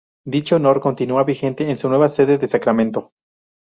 Dicho honor continúa vigente en su nueva sede de Sacramento.